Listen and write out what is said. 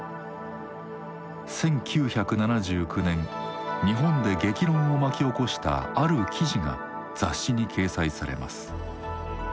１９７９年日本で激論を巻き起こしたある記事が雑誌に掲載されます。